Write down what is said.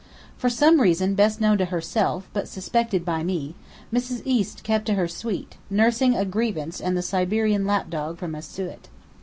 For some reason best known to herself (but suspected by me) Mrs. East kept to her suite, nursing a grievance and the Siberian lap dog from Asiut.